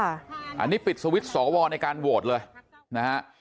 อันนี้ปิดสวิตช์สอวรในการโหวตเลยนะฮะ